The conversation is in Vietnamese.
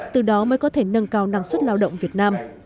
từ đó mới có thể nâng cao năng suất lao động việt nam